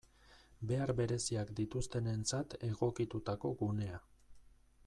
Behar bereziak dituztenentzat egokitutako gunea.